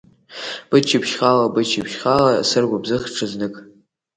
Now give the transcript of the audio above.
Быччаԥшь хаала, быччаԥшь хаала, сыргәыбзыӷ ҽазнык!